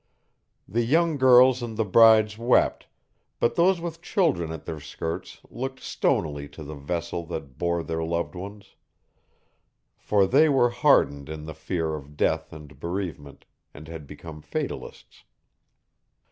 The young girls and the brides wept, but those with children at their skirts looked stonily to the vessel that bore their loved ones; for they were hardened in the fear of death and bereavement, and had become fatalists.